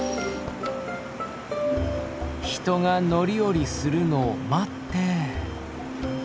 人が乗り降りするのを待って。